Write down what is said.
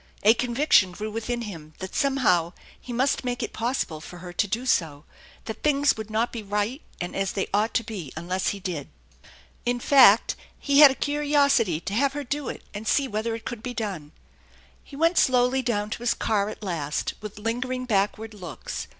A conviction grew within him that somehow he must make it possible for her to do so, that things would not be right and as they ought to be unless he did. In fact, he THE ENCHANTED BARN 47 had a curiosity to have her do it and see whether it pould be done. He went slowly down to his car at last with lingering backward looks.